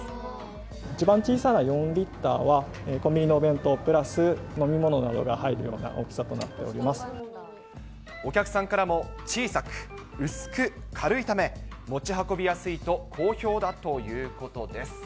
一番小さな４リッターは、コンビニのお弁当プラス飲み物などが入るような大きさとなっておお客さんからも小さく薄く軽いため、持ち運びやすいと好評だということです。